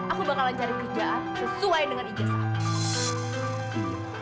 aku bakalan cari kerjaan sesuai dengan ijazah aku